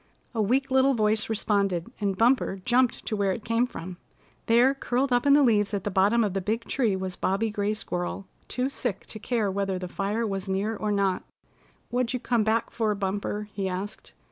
A weak little voice responded, and Bumper jumped to where it came from. There curled up in the leaves at the bottom of the big tree was Bobby Gray Squirrel too sick to care whether the fire was near or not. "What'd you come back for, Bumper?" he asked.